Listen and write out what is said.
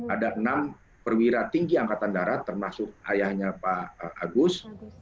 ada enam perwira tinggi angkatan darat termasuk ayahnya pak agus